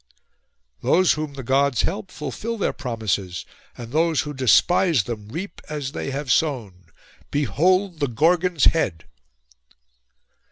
'Those whom the Gods help fulfil their promises; and those who despise them, reap as they have sown. Behold the Gorgon's head!